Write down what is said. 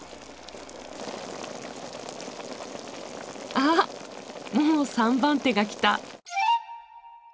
あっもう３番手が来た！